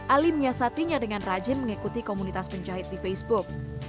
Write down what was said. ali menyiasatinya dengan rajin mengikuti komunitas penjahit di facebook